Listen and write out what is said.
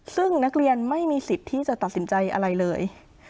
ซึ่งนักเรียนไม่มีสิทธิ์ที่จะตัดสินใจอะไรเลย